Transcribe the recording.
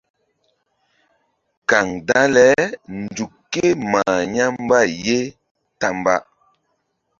Kaŋ dale nzuk ké mah ya̧ mbay ye ta mba.